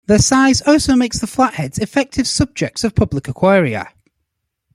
Their size also make the flatheads effective subjects of public aquaria.